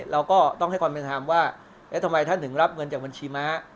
เราก็ต้องให้ความเป็นธรรมว่าเอ๊ะทำไมท่านถึงรับเงินจากบัญชีม้า